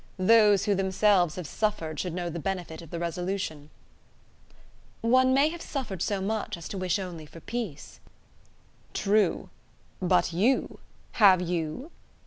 Those who themselves have suffered should know the benefit of the resolution." "One may have suffered so much as to wish only for peace." "True: but you! have you?"